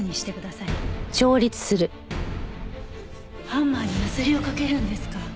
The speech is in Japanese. ハンマーにヤスリをかけるんですか。